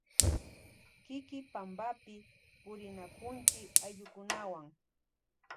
Kiki pampapi purinakunchi ayllukunawan.